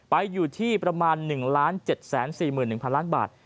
ไปอยู่ที่ประมาณ๑๗๔๑๐๐๐บาท